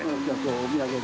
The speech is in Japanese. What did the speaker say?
お土産で？